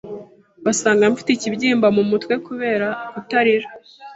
basanga mfite ikibyimba mu mutwe kubera kutarira,